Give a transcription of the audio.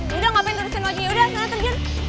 yaudah sana terjun